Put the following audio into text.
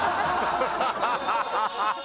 ハハハハ！